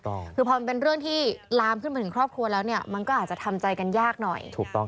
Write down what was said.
ถูกต้องคือพอมันเป็นเรื่องที่ลามขึ้นมาถึงครอบครัวแล้วเนี่ยมันก็อาจจะทำใจกันยากหน่อยถูกต้อง